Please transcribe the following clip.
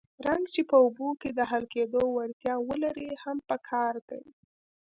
رنګ چې په اوبو کې د حل کېدو وړتیا ولري هم پکار دی.